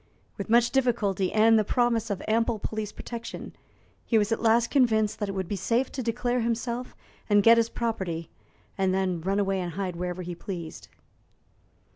With much difficulty, and the promise of ample police protection, he was at last convinced that it would be safe to declare himself and get his property, and then run away and hide wherever he pleased.